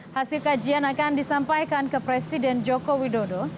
hasil kajian akan disampaikan ke presiden joko widodo